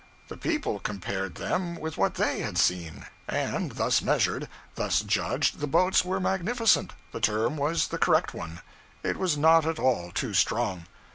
The people compared them with what they had seen; and, thus measured, thus judged, the boats were magnificent the term was the correct one, it was not at all too strong.